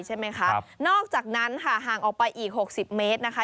ใช่ไหมคะนอกจากนั้นค่ะห่างออกไปอีก๖๐เมตรนะคะ